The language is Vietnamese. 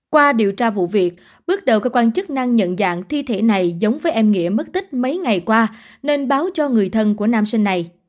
qua điều tra vụ việc bước đầu cơ quan chức năng nhận dạng thi thể này giống với em nghĩa mất tích mấy ngày qua nên báo cho người thân của nam sinh này